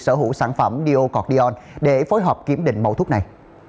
sở hữu sản phẩm diocordion để phối hợp kiểm định mẫu thuốc này